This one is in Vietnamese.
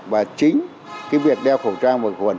và chính cái việc đeo khẩu trang và khuẩn